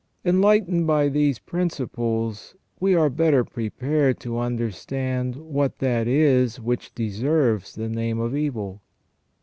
Enlightened by these principles, we are better prepared to understand what that is which deserves the name of evil.